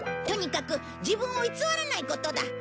とにかく自分を偽らないことだ。